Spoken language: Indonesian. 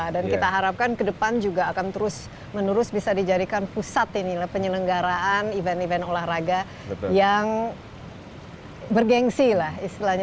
dan kita harapkan kedepan juga akan terus menerus bisa dijadikan pusat ini lah penyelenggaraan event event olahraga yang bergensi lah istilahnya